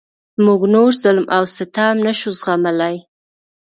موږ نور ظلم او ستم نشو زغملای.